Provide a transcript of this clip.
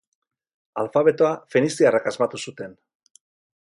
Alfabetoa feniziarrek asmatu zuten.